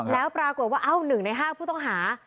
แล้วปรากฏว่าเอ้า๑ใน๕ผู้ต้องหา